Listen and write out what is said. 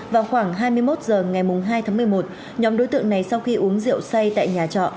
vào khoảng hai mươi một h ngày hai tháng một mươi một nhóm đối tượng này sau khi uống rượu say tại nhà trọ